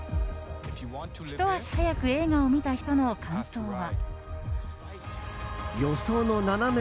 ひと足早く映画を見た人の感想は。